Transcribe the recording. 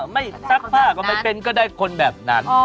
ซักผ้าก็ไม่เป็นก็ได้คนแบบนั้น